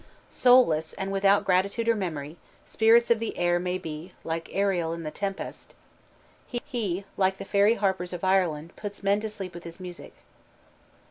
_ Soulless and without gratitude or memory spirits of the air may be, like Ariel in The Tempest. He, like the fairy harpers of Ireland, puts men to sleep with his music.